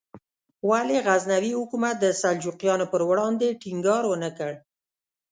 ولې غزنوي حکومت د سلجوقیانو پر وړاندې ټینګار ونکړ؟